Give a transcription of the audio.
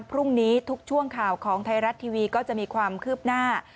พรุ่งนี้ทุกช่วงข่าวของไทยรัฐทีวีก็จะมีความคืบหน้า